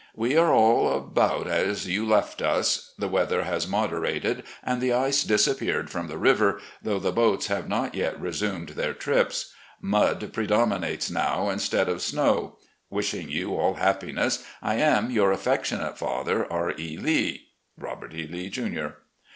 We are all about as you left us. The weather has moderated and the ice disappeared from the river, though the boats 258 RECOLLECTIONS OF GENERAL LEE have not yet resumed their trips. Mud predominates now instead of snow. ... Wishing you all happiness, 1 am, Your affectionate father, R. E. Lee. "Robert E. Lee, Jr."